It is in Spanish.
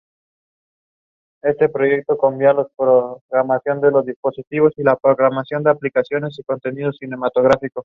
Históricamente las actividades económicas mayoritarias han sido los trabajos forestales.